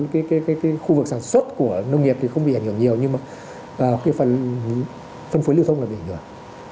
khu vực sản xuất của nông nghiệp thì không bị ảnh hưởng nhiều nhưng mà phân phối lưu thông là bị ảnh hưởng